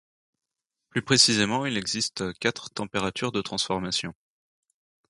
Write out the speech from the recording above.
Plus précisément, il existe quatre températures de transformation.